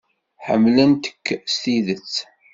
Ḥemmlent-k s tidet.